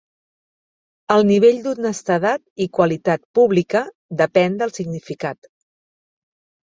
El nivell d'honestedat i qualitat pública depèn del significat.